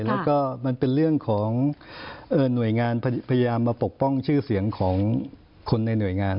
แล้วก็มันเป็นเรื่องของหน่วยงานพยายามมาปกป้องชื่อเสียงของคนในหน่วยงาน